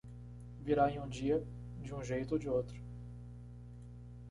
Virá em um dia, de um jeito ou de outro.